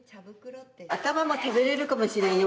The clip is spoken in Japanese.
頭も食べれるかもしれんよ